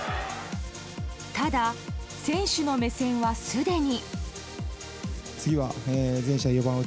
ただ、選手の目線はすでに。